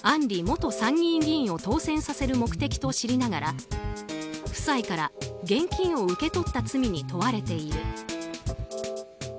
里元参院議員を当選させる目的と知りながら夫妻から現金を受け取った罪に問われている。